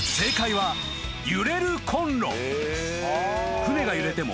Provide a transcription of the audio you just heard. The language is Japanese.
［船が揺れても］